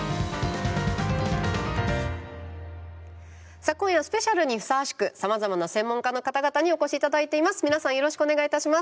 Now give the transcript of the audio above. さあ今夜はスペシャルにふさわしくさまざまな専門家の方々にお越しいただいています。